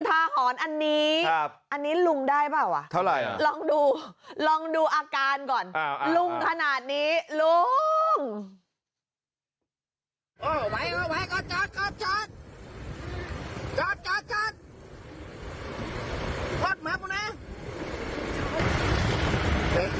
หอนอันนี้อันนี้ลุงได้เปล่าอ่ะเท่าไหร่ลองดูลองดูอาการก่อนลุงขนาดนี้ลุง